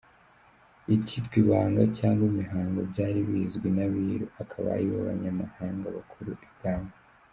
Icyitwa ibanga, cyangwa imihango byari bizwi n’Abiru, akaba ari bo banyamabanga bakuru ibwami.